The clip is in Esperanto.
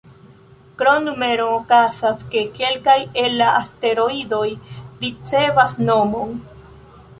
Krom numeron, okazas, ke kelkaj el la asteroidoj ricevas nomon.